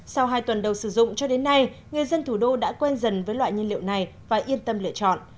sau hai tuần đầu sử dụng cho đến nay người dân thủ đô đã quen dần với loại nhiên liệu này và yên tâm lựa chọn